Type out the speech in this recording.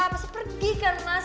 mas pergi kan mas